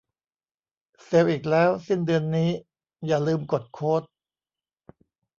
เซลอีกแล้ว สิ้นเดือนนี้ อย่าลืมกดโค้ด